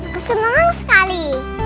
bagus banget sekali